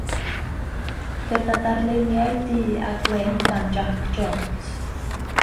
Gyda darluniau du a gwyn gan Jac Jones.